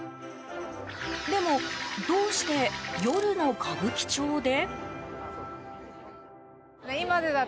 でも、どうして夜の歌舞伎町で？